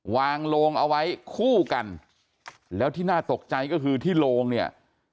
วางโลงเอาไว้คู่กันแล้วที่น่าตกใจก็คือที่โรงเนี่ย